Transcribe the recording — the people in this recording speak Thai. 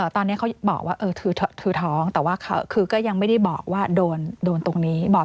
ตอนนี้เขาบอกว่าคือท้องแต่ว่าคือก็ยังไม่ได้บอกว่าโดนตรงนี้บอก